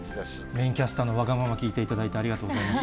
メインキャスターのわがままを聞いていただいてありがとうございました。